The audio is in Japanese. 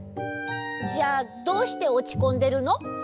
じゃあどうしておちこんでるの？